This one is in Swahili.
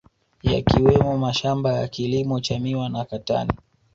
Yakiwemo mashamaba ya kilimo cha miwa na katani